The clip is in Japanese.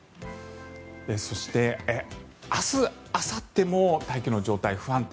そして、明日、あさっても大気の状態不安定。